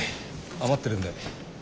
余ってるんで。